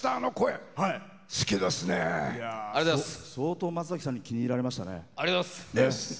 相当松崎さんに気に入られましたね。